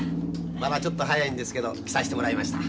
まだちょっと早いんですけど来さしてもらいました。